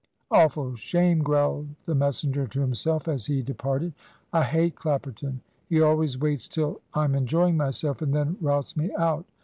"Awful shame!" growled the messenger to himself, as he departed. "I hate Clapperton; he always waits till I'm enjoying myself, and then routs me out.